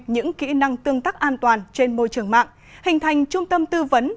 những kỹ năng tương tác an toàn trên môi trường mạng hình thành trung tâm tư vấn